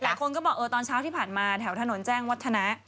หลายคนก็บอกตอนเช้าที่ผ่านมาแถวถนนแจ้งวัฒนะ